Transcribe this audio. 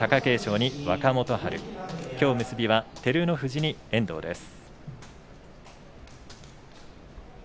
結びは照ノ富士に遠藤です。